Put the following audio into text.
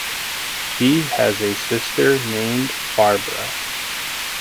He has a sister named Barbara.